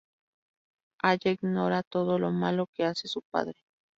Aya ignora todo lo malo que hace su padre.